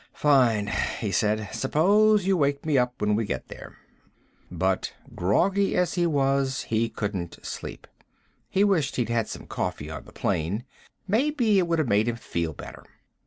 "Fine," he said. "Suppose you wake me up when we get there." But, groggy as he was, he couldn't sleep. He wished he'd had some coffee on the plane. Maybe it would have made him feel better.